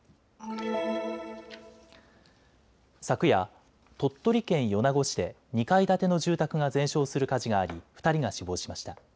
昨夜、鳥取県米子市で２階建ての住宅が全焼する火事があり２人が死亡しました。